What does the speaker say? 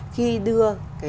khi đưa cái